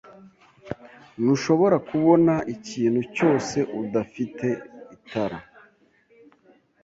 Ntushobora kubona ikintu cyose udafite itara